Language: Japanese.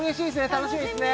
楽しみですね